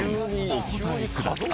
お答えください］